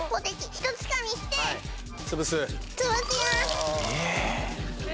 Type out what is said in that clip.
ひとつかみして潰す潰しますえ！？